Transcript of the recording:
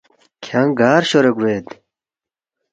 کھیانگ گار شورے گوید؟“